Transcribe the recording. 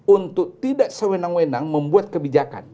untuk tidak sewenang wenang membuat kebijakan